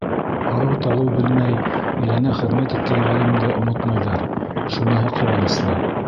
Арыу-талыу белмәй иленә хеҙмәт иткән ғалимды онотмайҙар — шуныһы ҡыуаныслы.